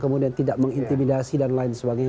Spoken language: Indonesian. kemudian tidak mengintimidasi dan lain sebagainya